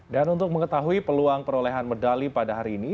dan untuk mengetahui peluang perolehan medali pada hari ini